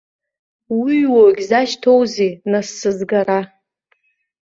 Уҩуа уагьзашьҭоузеи нас сызгара?